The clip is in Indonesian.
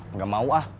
enggak mau ah